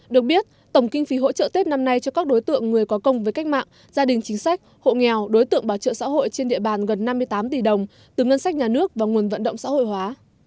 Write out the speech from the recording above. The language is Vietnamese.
được biết tổng kinh phí hỗ trợ tết năm nay cho các đối tượng người có công với cách mạng gia đình chính sách hộ nghèo đối tượng bảo trợ xã hội trên địa bàn gần năm mươi tám tỷ đồng từ ngân sách nhà nước và nguồn vận động xã hội hóa